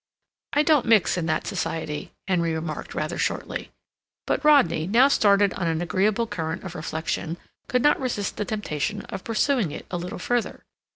"I don't mix in that society," Henry remarked, rather shortly. But Rodney, now started on an agreeable current of reflection, could not resist the temptation of pursuing it a little further.